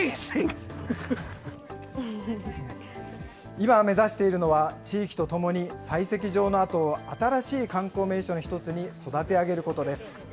今、目指しているのは地域とともに採石場の跡を新しい観光名所の１つに育て上げることです。